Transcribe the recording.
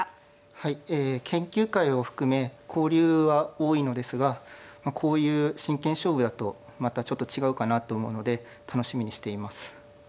はいえ研究会を含め交流は多いのですがこういう真剣勝負だとまたちょっと違うかなと思うので楽しみにしています。